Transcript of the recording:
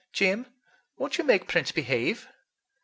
"Jim, won't you make Prince behave?"